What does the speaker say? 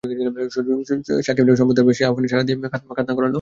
শাখীমের সম্প্রদায়ের সবাই সে আহ্বানে সাড়া দিয়ে খাতনা করাল।